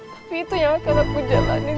tapi itu yang akan aku jalani